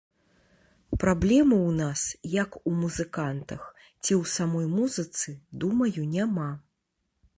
Праблемы ў нас, як у музыкантах, ці ў самой музыцы, думаю, няма.